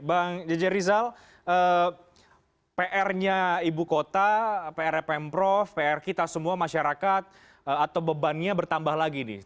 bang jj rizal prnya ibu kota prnya pembro pr kita semua masyarakat atau bebannya bertambah lagi nih